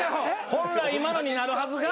本来今のになるはずが。